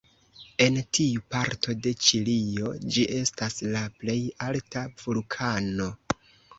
En tiu parto de Ĉilio, ĝi estas la plej alta vulkano.